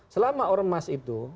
selama ormas itu